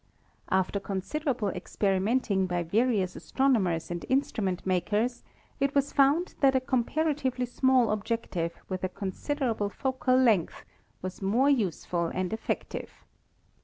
After considerable ex perimenting by various astronomers and instrument mak ers, it was found that a comparatively small objective with a considerable focal length was most useful and effective.